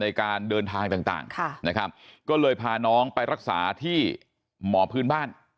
ในการเดินทางต่างนะครับก็เลยพาน้องไปรักษาที่หมอพื้นบ้าน